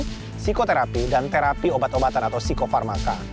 psikoterapi dan terapi obat obatan atau psikofarmaka